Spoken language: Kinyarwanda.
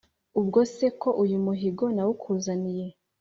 . Ubwo se ko uyu muhigo nawukuzaniye,